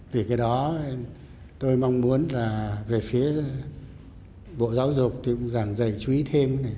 vì cái đó tôi mong muốn là về phía bộ giáo dục thì cũng dàng dày chú ý thêm